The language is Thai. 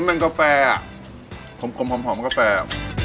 มันเป็นกาแฟอ่ะหอมหอมหอมหอมกาแฟ